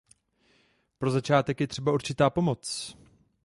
Pro začátek je třeba určitá pomoc.